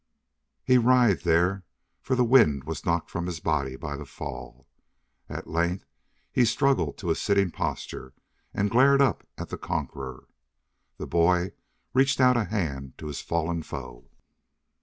He writhed there, for the wind was knocked from his body by the fall. At length he struggled to a sitting posture and glared up at the conqueror. The boy reached out a hand to his fallen foe.